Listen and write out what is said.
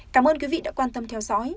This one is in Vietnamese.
cảm ơn quý vị đã quan tâm theo dõi